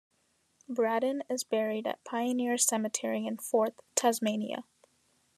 Braddon is buried at Pioneer Cemetery in Forth, Tasmania.